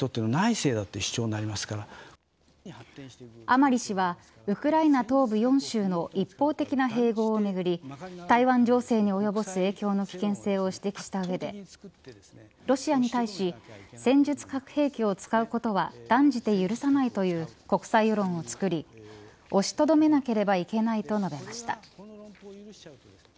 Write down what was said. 甘利氏はウクライナ東部４州の一方的な併合をめぐり台湾情勢に及ぼす影響の危険性を指摘した上でロシアに対し戦術核兵器を使うことは断じて許さないという国際世論をつくり押しとどめなければいけないと述べました。